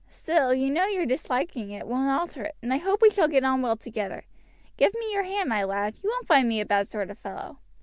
Still you know your disliking it won't alter it, and I hope we shall get on well together. Give me your hand, my lad, you won't find me a bad sort of fellow."